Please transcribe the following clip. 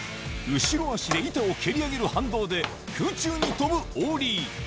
後ろ足で板を蹴り上げる反動で、空中に跳ぶオーリー。